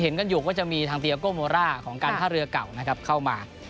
กันอยู่ว่าจะมีทางเตียโก้โมร่าของการท่าเรือเก่านะครับเข้ามา